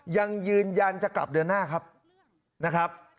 ยังยืนยันจะกลับเดือนหน้าครับนะครับ